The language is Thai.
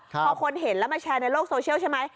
พอคนเห็นแล้วมาแชร์ในโลกโซเชียลใช่ไหม